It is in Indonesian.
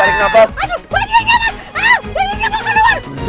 aduh iya nyembat kena banget